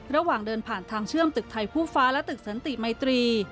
ระหว่างเดินผ่านทางเชื่อมตึกไทยคู่ฟ้าและตึกสันติมัยตรี